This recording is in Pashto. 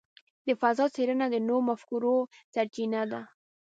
د فضاء څېړنه د نوو مفکورو سرچینه ده.